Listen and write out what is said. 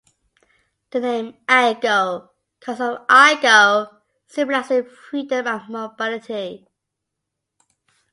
The name "Aygo" comes from "i-go", symbolising freedom and mobility.